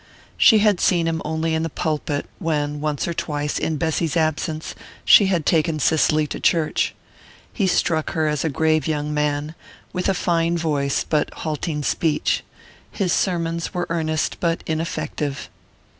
She had seen him only in the pulpit, when once or twice, in Bessy's absence, she had taken Cicely to church: he struck her as a grave young man, with a fine voice but halting speech. His sermons were earnest but ineffective.